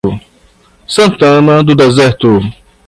Santana do Deserto